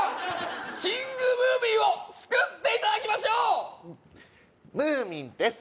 キングムーミンを作っていただきましょうムーミンです